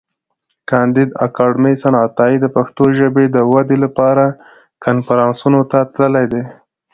کانديد اکاډميسن عطایي د پښتو ژبي د ودي لپاره کنفرانسونو ته تللی دی.